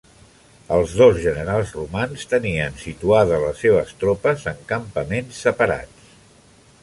Els dos generals romans tenien situades les seves tropes en campaments separats.